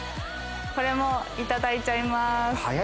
これも、いただいちゃいます。